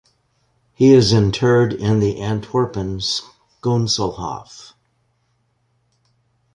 He is interred in the Antwerpen Schoonselhof.